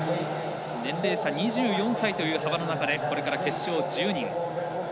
年齢差２５歳という中でこれから決勝１０人。